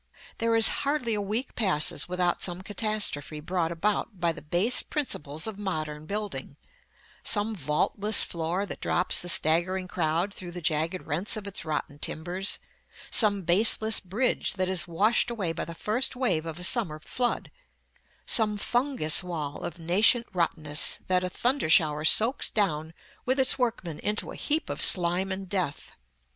There is hardly a week passes without some catastrophe brought about by the base principles of modern building; some vaultless floor that drops the staggering crowd through the jagged rents of its rotten timbers; some baseless bridge that is washed away by the first wave of a summer flood; some fungous wall of nascent rottenness that a thunder shower soaks down with its workmen into a heap of slime and death.